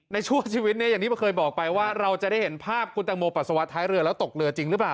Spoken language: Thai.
ในช่วงชีวิตเนี่ยอย่างที่เคยบอกไปว่าเราจะได้เห็นภาพคุณตังโมปัสสาวะท้ายเรือแล้วตกเรือจริงหรือเปล่า